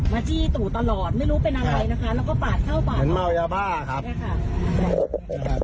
มาจี้ตู่ตลอดไม่รู้เป็นอะไรนะคะแล้วก็ปาดเข้าปาก